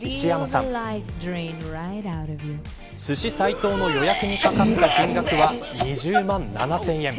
鮨さいとうの予約にかかった金額は２０万７０００円。